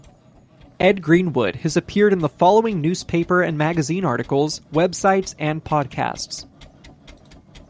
Ed Greenwood has appeared in the following newspaper and magazine articles, websites and podcasts.